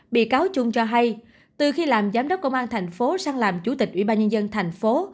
bị cáo trung cho hay từ khi làm giám đốc công an thành phố sang làm chủ tịch ủy ban nhân dân thành phố